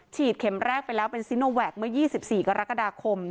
เข็มแรกไปแล้วเป็นซิโนแวคเมื่อ๒๔กรกฎาคม